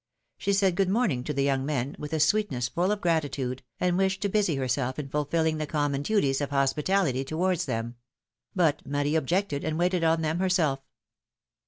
She said good morning to the young men, with a sweetness full of gratitude, and wished to busy herself in fulfilling the common duties of hospitality towards them ; but Marie objected, and waited on them herself.